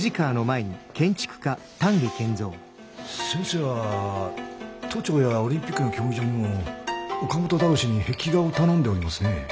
先生は都庁やオリンピックの競技場にも岡本太郎氏に壁画を頼んでおりますね。